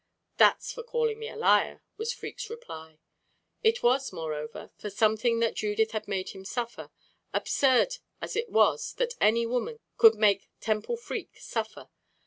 "That's for calling me a liar," was Freke's reply. It was, moreover, for something that Judith had made him suffer absurd as it was that any woman could make Temple Freke suffer.